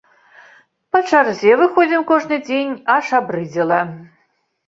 Па чарзе выходзім кожны дзень, аж абрыдзела.